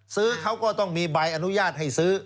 เขาก็ต้องมีใบอนุญาตให้ซื้อ